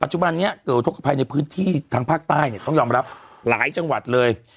ปัจจุบันเนี้ยกระบะในที่ทางภาคใต้เนี่ยต้องยอมรับหลายจังหวัดเลย